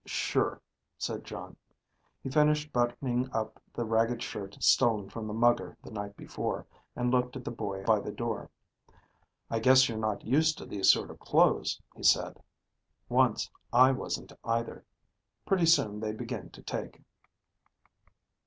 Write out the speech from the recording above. "Sure," said Jon. He finished buttoning up the ragged shirt stolen from the mugger the night before, and looked at the boy by the door. "I guess you're not used to these sort of clothes," he said. "Once I wasn't either. Pretty soon they begin to take."